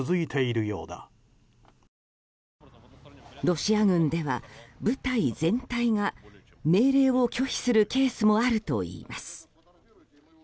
ロシア軍では部隊全体が命令を拒否するケースもあるといいます。